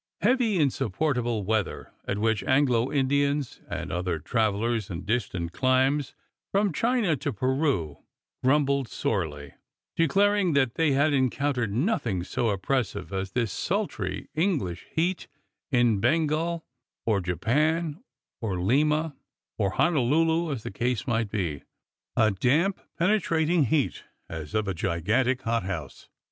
Heavy insupportable weather, at which Anglo Indians and other travellers in distant climes, from China to Peru, grumbled sorely, declaring that they had en countered nothing so oppressive as this sultry English heat in Bengal, or Japan, or Lima, or Honolulu, as the case might be. A damp, penetrating heat, as of a gigantic hot house.